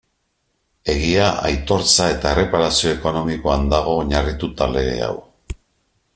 Egia, aitortza eta erreparazio ekonomikoan dago oinarrituta lege hau.